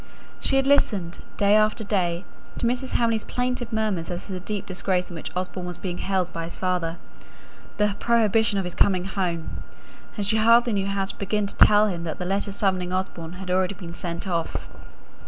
She had listened, day after day, to Mrs. Hamley's plaintive murmurs as to the deep disgrace in which Osborne was being held by his father the prohibition of his coming home; and she hardly knew how to begin to tell him that the letter summoning Osborne had already been sent off.